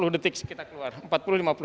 empat puluh detik kita keluar